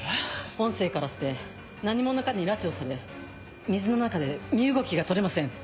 音声からして何者かに拉致をされ水の中で身動きが取れません。